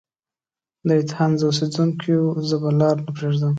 د ایتهنز اوسیدونکیو! زه به لار نه پريږدم.